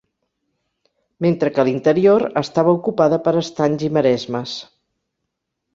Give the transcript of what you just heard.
Mentre que l'interior estava ocupada per estanys i maresmes.